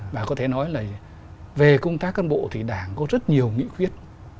và có thể nói là về công tác cán bộ thì đảng có rất nhiều nghĩa khuyết